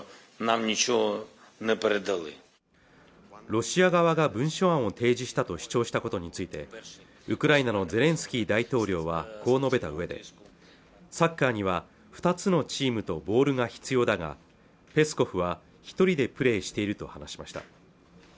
ロシア側が文書案を提示したと主張したことについてウクライナのゼレンスキー大統領はこう述べた上でサッカーには２つのチームとボールが必要だがペスコフは一人でプレイしていると話しました